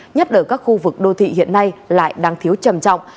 nhất ở các khu vực đô thị hiện nay lại đang thiếu trầm trọng